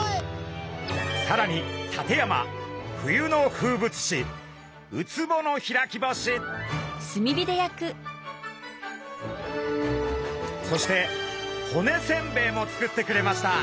さらに館山冬の風物詩そして骨せんべいも作ってくれました。